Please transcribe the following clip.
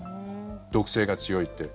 毒性が強いって。